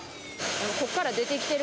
ここから出て来てる。